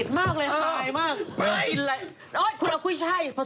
ไปข้างนอกไป